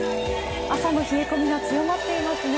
朝の冷え込みが強まっていますね。